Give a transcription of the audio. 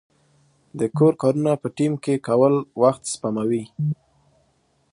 د کور کارونه په ټیم کې کول وخت سپموي.